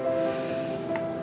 terusin ini ya